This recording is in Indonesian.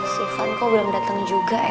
si fanko belum dateng juga ya